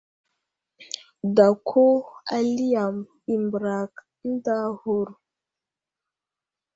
Dako ali yam i mbərak ənta aghur.